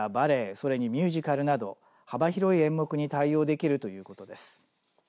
それにミュージカルなど幅広い演目に対応できるということです。